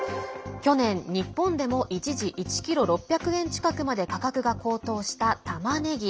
去年、日本でも一時１ｋｇ６００円近くまで価格が高騰した、たまねぎ。